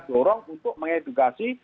jorong untuk mengedukasi